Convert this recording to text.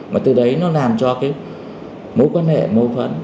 mà từ đấy nó làm cho cái mối quan hệ mâu thuẫn